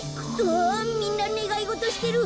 みんなねがいごとしてる！